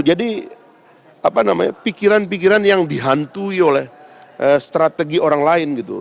jadi pikiran pikiran yang dihantui oleh strategi orang lain gitu